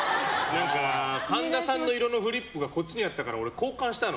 何か、神田さんの色のフリップこっちにあったから俺、交換したの。